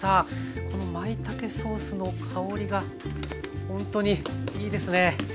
このまいたけソースの香りがほんとにいいですね。